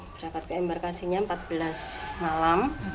berangkat ke embarkasinya empat belas malam